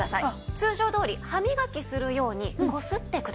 通常どおり歯磨きするように擦ってください。